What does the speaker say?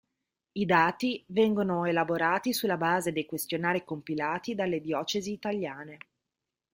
I dati vengono elaborati sulla base dei questionari compilati dalle diocesi italiane.